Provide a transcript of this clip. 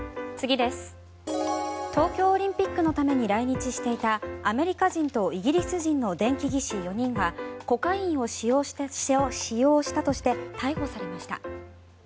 東京オリンピックのために来日していたアメリカ人とイギリス人の電気技師４人がコカインを使用したとして逮捕されました。